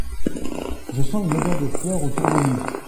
Je sens une odeur de fleurs autour de nous.